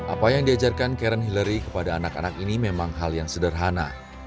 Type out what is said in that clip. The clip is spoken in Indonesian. apa yang diajarkan karen hillary kepada anak anak ini memang hal yang sederhana